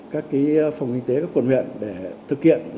các phòng kinh tế các quận huyện để thực hiện